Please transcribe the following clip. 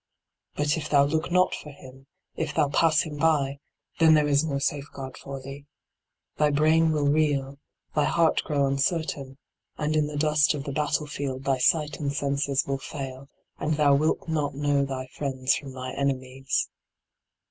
But if thou look not for him, if thou pass him by, then there is no safeguard for thee. Thy brain will reel, thy heart grow un certain, and in the dust of the battle field thy sight and senses will fail, and d by Google i6 LIGHT ON THE PATH thou wilt not know thy friends from thy enemies.